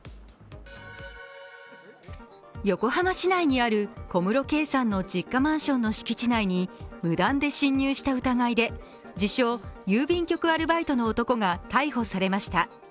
横浜市内にある小室圭さんの実家マンションの敷地内に無断で侵入した疑いで自称・郵便局アルバイトの男が逮捕されました。